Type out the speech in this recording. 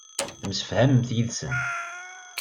Temsefhamemt yid-sen.